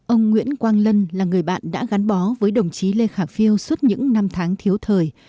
ông nguyễn quang lân là người bạn đã gắn bó với đồng chí lê khả phiêu suốt những năm tháng thiếu thời